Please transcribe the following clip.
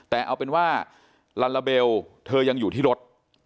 แต่เอาเป็นว่าลัลลาเบลเธอยังอยู่ที่รถ